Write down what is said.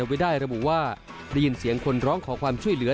ไว้ได้ระบุว่าได้ยินเสียงคนร้องขอความช่วยเหลือ